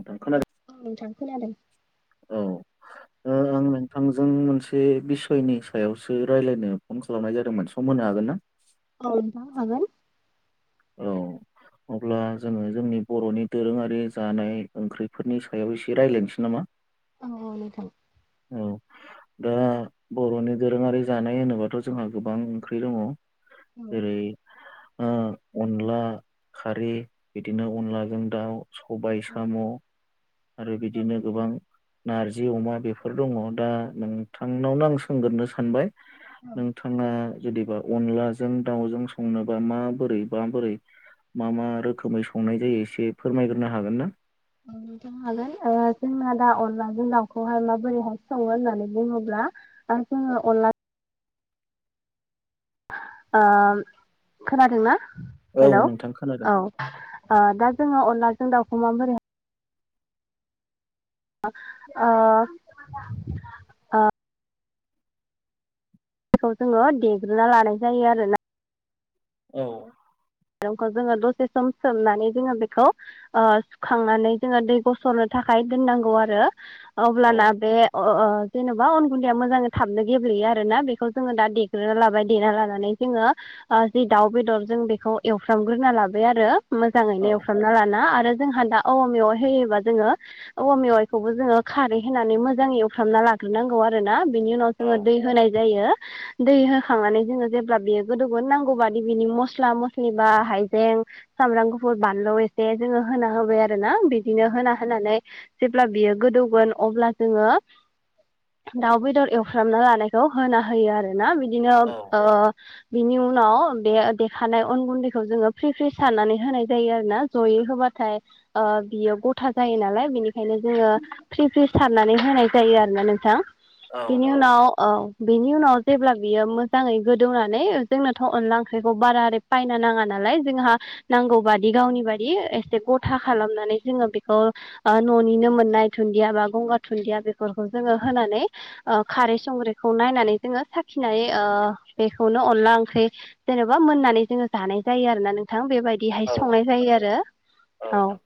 नोंथां खोनादों औ थांफै जादों। औ आं नोंथांजों मोनसे बिसयनि सायावसो रायज्लायनो फन खालामनाय जादोंमोन स मोनो हागोन ना औ दा हा औ। अब्ला जोङो जोंनि बर'नि दोरोङारि जानाय ओंख्रिफोरनि सायाव एसे रायज्लायनोसै नामा अ अल्थां औ दा बर'नि दोरोङारि जानाय होनोबाथ' जोंहा गोबां ओंख्रि दङ। औ जेरै अनला खारै बिदिनो अनलाजों दाउ सबाय औ साम' आरो औ बिदिनो नोंथां गोबां नारजि अमा बेफोर दङ दा नोंथांनावनो आं सोंगोरो सानबाय। नोंथाङा जुदिबा अनलाजों दाउजों संनोबा माबोरै माबोरै। मा मा रोखोमै संनाय जायो एसे फोरमायग्रोनो हागोन ना? नथनो हागोन जोंना दा अनलाजों दाउखौहाय माबोरैहाय सङो होननानै बुङोब्ला? आरो जोङो अनला खोनादोंनाा औ हेल' नोंथां खोनादों। औ दा। जोङो अनलाजों दाउखौ माबोरै [unintelligible] बेखौ जोङो देग्रोना लानाय जायो आरोना। औ। खौ जोङो दसे सम सोमनानै जोङो बेखौ सुखांनानै जोङो दै गसरनो थाखाय। बुंनांगौ आरो औ अब्लाना बे अ अ जेनेबा अन गुन्दैया मोजाङै थाबनो गेब्लेयो आरो ना बेखौ जोङो दा देग्रोना लाबाय देना लानानै। जोङो ओ जि दाउ बेदर जों बेखौ। एवफ्रामग्रोना लाबाय आरो औ मोजाङैनो एवफ्रामना लाना आरो जोंहा दा औवा मेवाइ होयोबा जोङो औवा मेवाइखौबो जोङो खारै होनानै मोजाङै एवफ्रामना ला ग्रोनांगौ आरो ना बिनि उनाव जोङो औ दै होनाय जायो। दै होखांनानै जोङो जेब्ला बियो गोदौगोनो नांगौ बादि बिनि मस्ला मस लि बा हाइजें सामब्राम गुफुर बानलु एसे जोङो होना होबाय आरो ना बिदिनो होना होना नै जेब्ला बियो गोदौगोन अब्ला जोङो। दाउ बेदर एवफ्रामना लानायखौ होना होयो आरो। ना बिदिनो औ ओ बिनि उनाव बे दे देखानाय। अन गुन्दैखौ जोङो फ्रि फ्रि सारनानै होनाय जायो आरोना जयै होबाथाय बियो गथा जान यो नालाय बेनिखायनो जोङो फ्रि फ्रि सारनानै होनाय जायो आरोना नोंथां। औ बिनि नंगौ उनाव ओ। बेनि उनाव जेब्ला बियो मोजाङै गोदौनानै ओ जोंनोथ' अनला ओंख्रिखौ बारा ओरै बायना नाङा नालाय जोंहा नांगौ बादि गावनि बादि एसे गथा खालामनानै जोङो बिखौ ओ नुनो मोननाय धुनदिया बा गंगार धुनदिया बेफोरखौ जों होनानै ओ खारै संख्रिखौ नायनानै जोङो साखिनाय ओ बेखौनो अनला ओंख्रि जेनेबा मोननानै। जोङो जानाय जायो आरो ना नोंथां बेबायदिहाय औ संनाय जायो आरो औ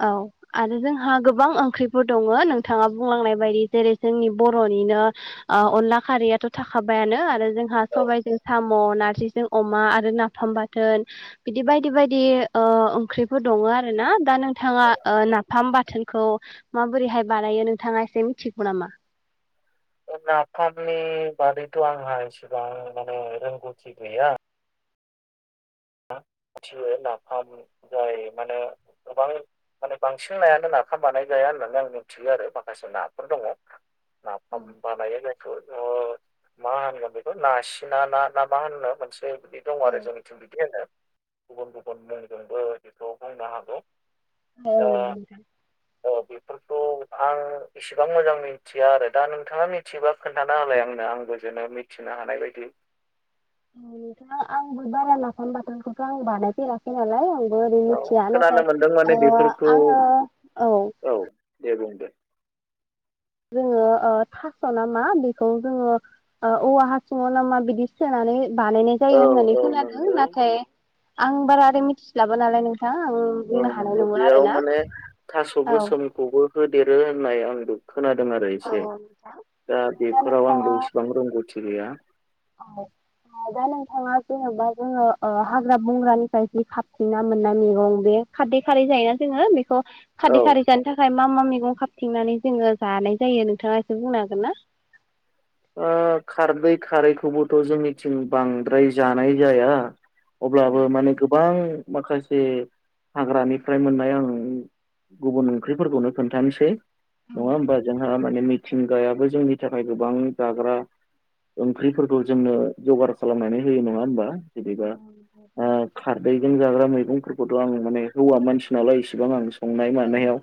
औ। आरो जोंहा गोबां ओंख्रिफोर दङ नोंथाङा बुंलांनाय बायदि जेरै जोंनि बर'निनो ओ अनला खारैयाथ' थाखाबायानो आरो जोंहा औ सबायाइजों साम' नारजिजों अमा आरो ना फाम बाथोन बिदि बायदि बायदि ओ ओंख्रिफोर दङ आरो ना दा नोंथाङा। नाफाम बाथोनखौ माबोरैहाय बानायो नोंथाङा एसे मिथिगौ नामा? नाफामनि बादैथ' आंहा एसेबां माने रोंगौथि गैया। [inaudible] मिथियो नाफाम जाय मानो गोबां माने बांसिन नायानो नाफाम बानाय जाया होननानै आं मिथियो आरो माखासे नाफोर दङ। औ नाफाम बानायो जायखो ओ मा होनगोन बेखौ नासिना ना ना मा होनो मोनसे बिदि दं आरो औ जोंनिथिं। ओ गुबुन गुबुन मुंजोंबो बेखौ बुंनो हागौ। औ दा नोंगौ नोंथां। दंफां इसिबां मोजां मिनथिया आरो। दा नोंथाङा मिथियोबा खोन्थाना होलाय आंनो आंबो जेनो मि थिनो हानाय बायदि। [unintelligible] आंबो बारा नाफाम बाथोनखौथ' आं बानायफेराखै नालाय आं बोरै औ मिथिया खोनानो नाथाय मोनदों माने ओ बेफोरखौ आङो औ दे बुंदो जोङो ओ थास' नामा बिखौ जोङो ओ औवा हासुङाव ना मा बिदि सोनानै बानायनाय जायो औ होननानै औ खोनादों नंगौ नाथाय आं बारा आरै मिथिस्लाबा नालाय नों औ नंगौ। बेयाव माने थास' औ गोसोमखौबो होदेरो होननाय आंबो खोनादों आरो एसे। दा बेफोराव आंबो इसेबां रोंगौथि गैया। औ। आ दा नोंथाङा जेनेबा जोङो ओ हाग्रा बंग्रानिफ्राय जि खाबथिंना मोननाय मेगं बे खाददै खारै जायोना जोङो बेखौ औ खाददै खारै जानो थाखाय मा मा मेगं खाबथिंनानै जोङो जानाय जायो नोंथाङा एसे बुंनो हागोना? ओ खारदै खारैखौबोथ' जोंनिथिं बांद्राय जानाय जाया। अब्लाबो माने गोबां माखासे हाग्रानिफ्राय मोननाय आं गुबुन ओंख्रिफोरखौनो खोन्थानसै। नङा होमबा? जोंहा माने मिथिंगायाबो जोंनि थाखाय गोबां जाग्रा ओंख्रिफोरखौ जोंनो जगार खालामनानै होयो। नङा होमबा? बिदिबा ओ खारदैजों जाग्रा मैगंफोरखौथ' आं माने हौवा मानसिनालाय इसिबां आं संनाय मानायाव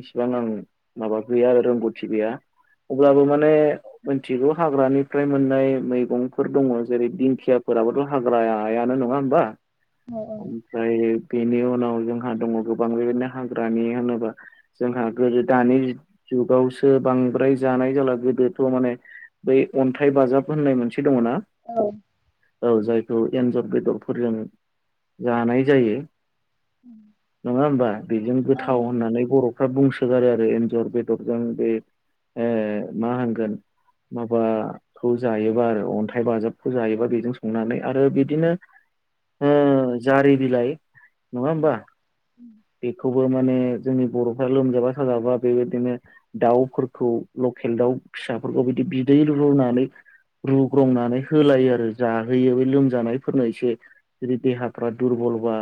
इसिबां आं माबा गैया आरो रोंगौथि गैया। अब्लाबो माने मोनथिगौ हाग्रानिफ्राय मोननाय मैगंफोर दङ जेरै दिंखियाफोराबोथ' हाग्रायानो नङा होमबा? ओमफ्राय बेनि उनाव जोंहा दङ गोबां बेबायदिनो हाग्रानि होनोबा जोंहा गोदो दानि जुगावसो बांद्राय जानाय जाला। गोदोथ' माने बै अन्थाइ बाजाब होननाय मोनसे दङ ना औ जायखौ एन्जर बेदरफोरजों जानाय जायो। नङा होमबा? बेजों गोथाव होननानै बर'फ्रा बुंस होगारो आरो एन्जर बेदरजों बे ए मा होनगोन माबाखौ जायोबा आरो अन्थाइ बाजाबखौ जायोबा बेजों संनानै आरो बिदिनो ओ जारि बिलाइ नङा होमबा? बेखौबो मा ने जोंनि बर'फ्रा लोमजाबा साजाबा बेबायदिनो दाउफोरखौ लकेल दाउ फिसाफोरखौ बि दि बिदै रुनानै रुग्रंनानै होलायो आरो जाहोयो बै लोमजानायफोरनो एसे। जुदि देहाफ्रा दुरबल बा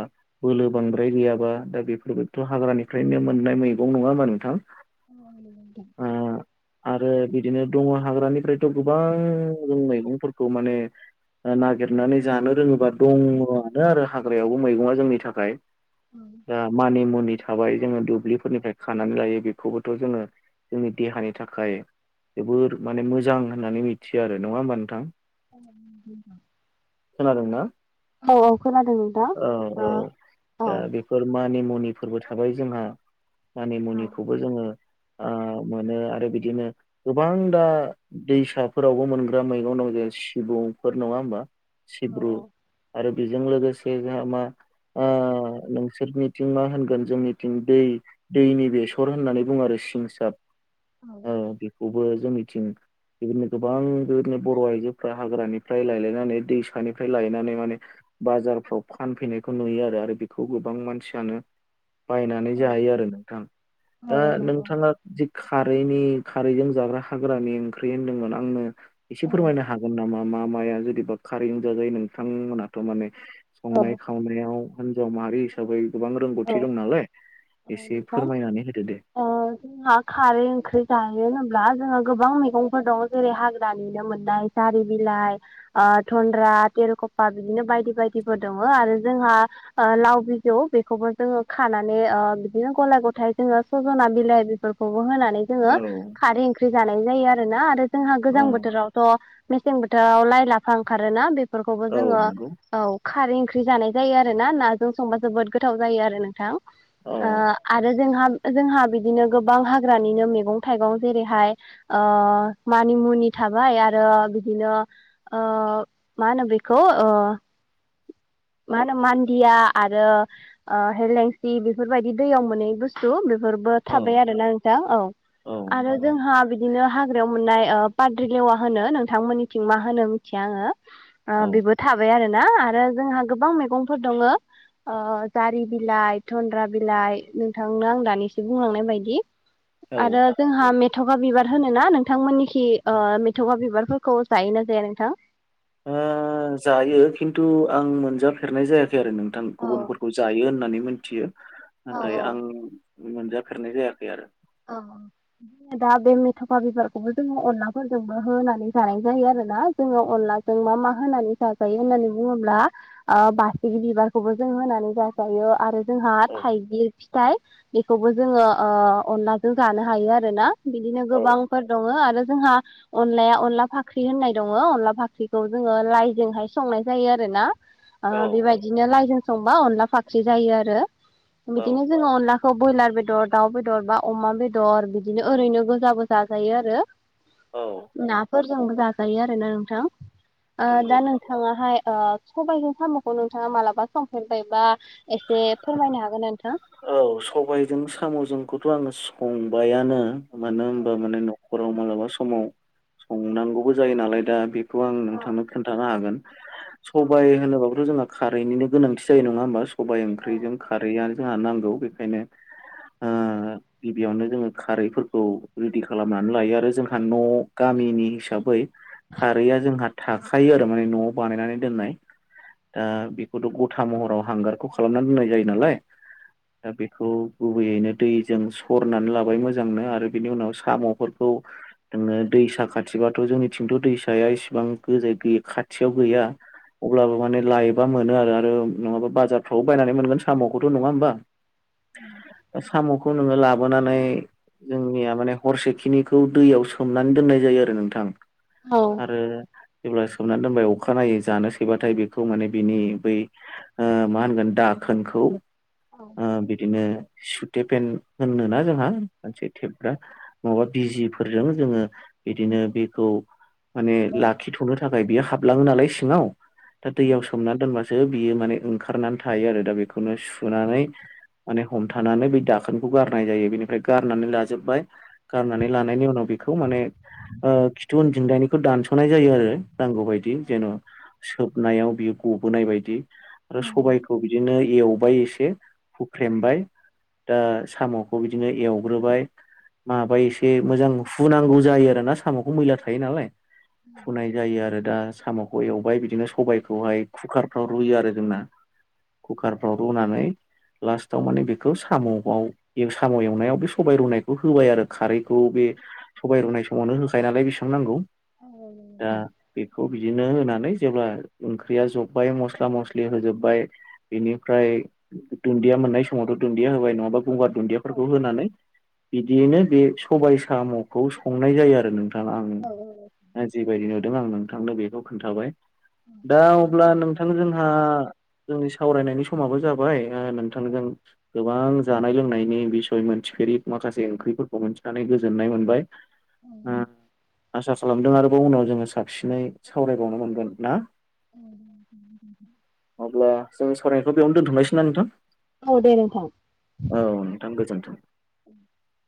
बोलो बांद्राय गैयाबा दा बेफोरबायथ' हाग्रानिफ्रायनो मोन नाय मैगं नङा होमबा नोंथां? ओ [inaudible] आरो बिदिनो दङ हाग्रानिफ्रायथ' गोबां जों मैगंफोरखौ माने ओ नागिरनानै जानो रोङोबा दङआनो आरो हाग्रायावबो मैगङा जोंनि थाखाय। आ मानि मुनि थाबाय जोङो दुब्लिफोरनिफ्राय खानानै लायो बेखौबोथ' जोङो जोंनि देहानि थाखाय जोबोर माने मोजां होननानै मिथियो आरो। नङा होमबा नोंथां? [inaudible] खोनादोंना? औ औ खोनादों नोंथां औ ओ औ औ दा बेफोर मानि मुनि फोरबो थाबाय जोंहा मानि औ मुनिखौबो जोङो मोनो आरो बिदिनो गोबां दा दैसाफोरावबो मोनग्रा मैगं दं जों सिबुंफोर नङा होमबा सिब्रु आरो बेजों लोगोसे जोंहा मा नोंसोरनिथिं मा होनगोन जोंनिथिं दै दैनि बेसर होननानै बुङो आरो सिंसाब बेखौबो जोंनिथिं बेबायदिनो गोबां बेबायदिनो बर' आइजोफ्रा हाग्रानिफ्राय लायलायनानै दैसानिफ्राय लायनानै माने बाजारफ्राव फानफैनायखौ नुयो आरो आरो बेखौ गोबां मानसियानो [unintelligible] बायनानै जायो आरो नोंथां दा औ नंगौ नोंथाङा जि खारैनि खारैजों जाग्रा हाग्रानि ओंख्रि होन्दोंमोन आंनो एसे औ फोरमायनो हागोन नामा? मा माया जुदिबा खारै जाजायो नोंथांमोनाथ' माने औ संनाय खावनायाव हिनजाव माहारि हिसाबै गोबां औ रोंगौथि दं नालाय एसे नोंथां फोरमायनानै होदो दे। जोंहा खारै ओंख्रि जायो। जों गोबां मैंफोर दं जेरै हाग्रानिनो मोननाय सारि बिलाइ गन्द्रा तेरुकफा बिदिनो बायदि बायदिफोर दङ आरो जोंहा लाव बिजौ बेखौबो जों खानानै बिदिनो गला गथाय जोङो सज'ना बिलाइ बिफोरखौबो होनानै जोङो औ खारै फ्रि जानाय जायो आरोना आरो जोंहा गोजां औ बोथोरावथ' मेसें बोथोराव लाइ लाफा ओंखारोना बे खौबो औ जोङो नंगौ औ खारै ओंख्रि जानाय जायो आरो ना नाजों संबा जोबोद गोथाव जायो आरो नोंथां। औ आरो जोंहा जोंहा बिदिनो गोबां हाग्रानिनो मैगं थाइगं जेरैहाय मानि मुनि थाबाय आरो बिदिनो मा होनो बेखौ मा होनो मान्दिया आरो हेलेंसि बेफोरबायदि दैयाव मोनै बुस्थु बे बेफोरबो औ थाबाय आरोना नोंथां औ औ आरो नंगौ जोंहा बिदिनो हाग्रायाव मोननाय ओ पाद्रि लेवा होनो नोंथांमोननिथिं मा होनो मिथिया आङो औ बेबो थाबाय आरो ना जोंहा गोबां मैगंफोर दङो ओ जारि बिलाइ धन त्रा बिलाइ नोंथांनो आं दानिसो बुंलांनाय बायदि औ ओ आरो जोंहा मेथ'खा बिबार होनोना नोंथांमोननिखि मेथखा बिबारफोरखौ जायोना जाया नोंथां। ओ जायो खिन्थु आं मोनजाफेरनाय जायाखै आरो नोंथां गुबुनफोरखौ जायो होननानै मिथियो नाथाय आं मोनजाफेरनाय जायाखै आरो औ जेनेबा बे मेथ'खा बिबारखौबो जोङो अनलाफोरजोंबो होनानै जानाय जायो आरो जोङो अनलाजों मा मा होनानै जाजायो होननानै बुङोब्ला ओ बासिखि बिबारखौबो जों होनानै जाजायो आरो जोंहा औ थाइगिर फिथाइ बेखौबो जोङो अनलाजों जानो हायो आरोना बिदिनो औ गोबांफोर दङ' आरो आरो जोंहा अनलाया अनला फाख्रि होननाय दङ' अनला फाख्रिखौ जोङो लाइजोंहाय संनाय जायो आरोना ओ औ बेबायदिनो लाइजों संबा अनला फाख्रि जायो आरो औ बिदिनो जोङो अनला खौ ब्रयलार बेदर दाउ बेदर बा अमा बेदर बिदिनो ओरैनो गोजाबो जाजायो आरो औ। फोरजोंबो जाजायो आरोना नोंथां ओ नंगौ दा नंगौ। नोंथाङाहाय सबाइजों साम'खौ नोंथाङा मालाबा संफेरबायबा एसे फोरमायनो हागोन नोंथां। औ सबायजों साम'जोंखौथ' आङो संबायानो मानो होनबा माने न'खराव मालाबा समाव संनांगौबो जायो नालाय दा बे खौ आं नोंथांनो खोन्थानो हागोन सबाय होनोब्लाथ' जों खारैनिनो गोनांथि जायो नङा होमबा सबाय ओंख्रिजों खारैआनो जोंहा नांगौ बेखायनो ओ गिबियावनो जोङो खारैफोरखौ रेडि खालामनानै लायो आरो जोंहा न' गा- गामिनि हिसाबै खारैआ जोंहा थाखायो आरो माने न'आव बानायनानै दोननाय दा बेखौथ' गथा महराव हांगारखौ खालामना दोननाय जायो नालाय [inaudible] दा बेखौ गुबैयैनो दैजों सरनानै लाबाय मोजांनो आरो बिनि उनाव साम'फोरखौ जोङो दैसा खाथिबाथ' जोंनिथिंथ' दैसाया इसेबां गोजाय गै खाथियाव गैया अब्लाबो माने लायोबा मोनो आरो आरो नङाबा बाजारफ्राव बायनानै मोनगोन साम'खौथ' नङा होमबा साम'खौ नोङो लाबोनानै जोंनिया माने हरसेखिनिखौ दैयाव सोमनानै दोननाय जायो आरो नोंथां औ आरो जेब्ला सोमनानै दोनबाय अखानायनायै जानो सैबाथाय बेखौ माने बिनि बै ओ मा होनगोन दाखोनखौ ओ औ बिदिनो सुथे पेन्ट होननो ना जोंहा मोनसे थेबग्रा माबा बिजिफोरजों जोङो बिदिनो बेखौ माने लाखिथ'नो थाखाय बियो हाबलाङो नालाय सिङाव दा दैयाव सोमना दोनबासो बियो माने ओंखारनानै थायो आरो दा बेखौनो सुनानै माने हमथानानै बै दाखोनखौ गारनाय जायो बेनिफ्राय गारनानै लाजोबबाय गारनानै लानायनि उनाव बेखौ माने खिथु उनथिंजायनिखौ दानस'नाय जायो आरो नांगौ बायदि जेन' सोबनायाव बियो गबोनाय बायदि आरो सबायखौ बिदिनो एवबाय एसे से हुख्रेमबाय दा साम'खौ बिदिनो एवग्रोबाय माबा एसे मोजां हुनांगौ जायो आरो ना साम'खौ मैला थायो नालाय हुनाय जायो आरो दा साम'खौ एवबाय बिदिनो सबाइखौहाय कुकारफ्राव रुयो आरो जोंना कुकारफ्राव रुनानै लास्टाव माने बेखौ साम'आव साम' एवनायाव बे सबाय रुनायखौ होबाय आरो खारैखौ बे सबाय रुनाय समावनो होखायो नालाय बेसिबां नांगौ दा बेखौ बिदिनो होनानै जेब्ला ओंख्रिया जब्बाय मस्ला मस्लि होजोबबाय बिनिफ्राय दुन्दिया मोननाय समावथ' दुन्दिया होबाय नङाबा गंगार दुन्दियाफोरखौ होनानै बिदियैनो बे सबाय साम'खौ संनाय जायो आरो नोंथां आं जिबायदि नुदों आं नोंथांनो बेखौ खोन्थाबाय दा अब्ला नोंथां जोंहा जोंनि सावरायनायनि समाबो जाबाय ओ नोंथांजों गोबां जानाय लोंनायनि बिसय मोनथिफेरि माखासे ओंख्रिफोरखौ मोनथिनानै गोजोननाय मोनबाय ओम आसा खालामदों आरोबाव उनाव जोङो साबसिनै सावरायबावनो मोनगोन ना? अब्ला जोंनि सावरायनायखौ बेयावनो दोनथ'नायसैना नोंथां? औ दे नोंथां औ नोंथां गोजोन्थों [unintelligible]